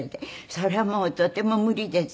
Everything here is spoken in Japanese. それはもうとても無理ですって。